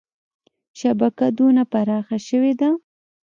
شبکه دونه پراخه شوې ده.